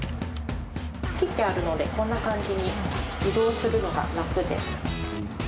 切ってあるので、こんな感じに移動するのが楽で。